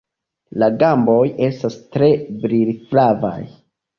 La gamboj estas tre brilflavaj.